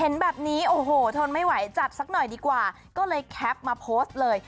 เห็นแบบนี้โอ้โหทนไม่ไหวจัดสักหน่อยดีกว่าก็เลยแคปมาโพสต์เลย